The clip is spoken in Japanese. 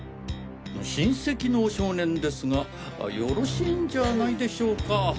親戚の少年ですがよろしいんじゃないでしょうか。